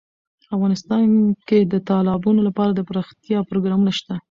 افغانستان کې د تالابونو لپاره دپرمختیا پروګرامونه شته.